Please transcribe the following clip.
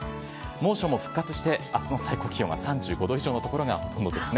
猛暑も復活して、あすの最高気温は３５度以上の所がほとんどですね。